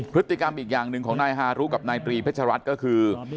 พฤติกรรมอีกอย่างหนึ่งของนายฮารุกับนายตรีเพชรัตน์ก็คือ